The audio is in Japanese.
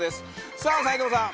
さあ、齊藤さん